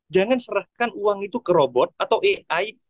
jangan serahkan uang itu ke robot atau ai